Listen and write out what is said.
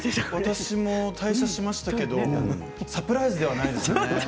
私も退社しましたけどサプライズではないですね。